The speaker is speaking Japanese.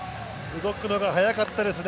動くのが早かったですね。